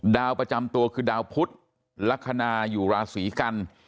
ดาวประจำตัวคือดาวพุทธลักษณะอยู่ราศีกัน